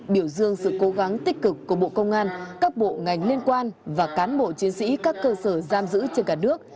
biểu dương sự cố gắng tích cực của bộ công an các bộ ngành liên quan và cán bộ chiến sĩ các cơ sở giam giữ trên cả nước